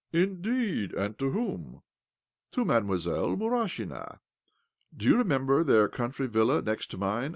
" Indeed I And to whom? " "To Mademoiselle Murashina. Do you remember their country villa, next to mine?